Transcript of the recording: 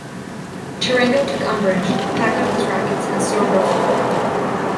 Tarango took umbrage, packed up his rackets and stormed off the court.